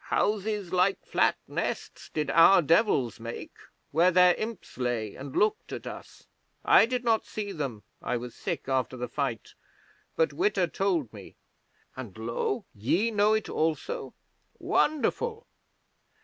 'Houses like flat nests did our Devils make, where their imps lay and looked at us. I did not see them (I was sick after the fight), but Witta told me, and, lo, ye know it also? Wonderful!